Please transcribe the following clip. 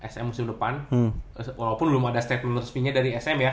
sm musim depan walaupun belum ada step by step nya dari sm ya